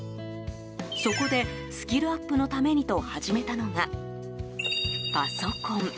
そこで、スキルアップのためにと始めたのがパソコン。